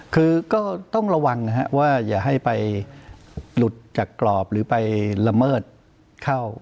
คือก็ต้องระวังนะฮะว่าอย่าให้ไปหลุดจากกรอบหรือไปละเมิดเข้า